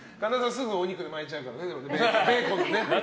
すぐお肉で巻いちゃうからね。